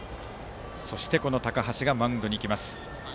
そして高橋がマウンドに行きます。